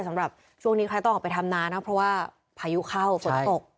สำหรับช่วงนี้ใครต้องออกไปทำนานะเพราะว่าพายุเข้าฝนตก